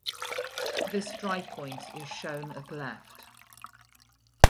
This drypoint is shown at left.